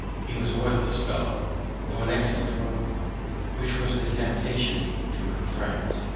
He was a worthless fellow, tho' an excellent workman, which was the temptation to her friends.